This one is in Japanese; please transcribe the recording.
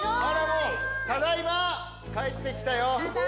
ただいま帰ってきたよ。